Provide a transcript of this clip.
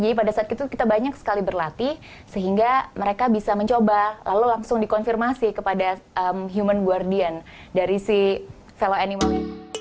jadi pada saat itu kita banyak sekali berlatih sehingga mereka bisa mencoba lalu langsung dikonfirmasi kepada human guardian dari si fellow animal